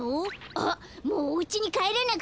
あっもうおうちにかえらなくちゃ。